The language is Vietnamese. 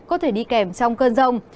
có thể đi kèm trong cơn rông